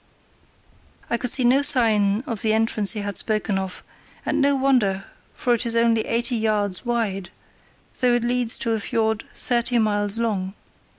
I could see no sign of the entrance he had spoken of, and no wonder, for it is only eighty yards wide, though it leads to a fiord thirty miles long.